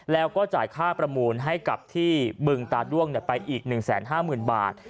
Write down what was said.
แล้วก็จ่ายค่าประมูลให้กับที่บึงตาด้วงไปอีก๑๕๐๐๐บาท